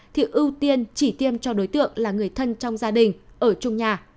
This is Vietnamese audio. thì ưu tiên chỉ tiêm cho đối tượng là người thân trong gia đình ở trung nhà